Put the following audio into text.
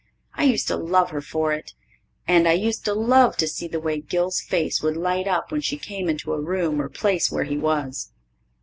I used to love her for it. And I used to love to see the way Gil's face would light up when she came into a room or place where he was.